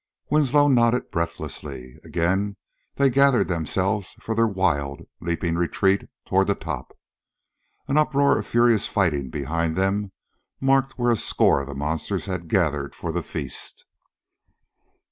Winslow nodded breathlessly. Again they gathered themselves for their wild, leaping retreat toward the top. An uproar of furious fighting behind them marked where a score of the monsters had gathered for the feast.